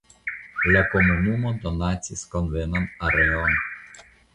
La komunumo donacis konvenan areon.